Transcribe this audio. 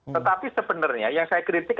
tetapi sebenarnya yang saya kritik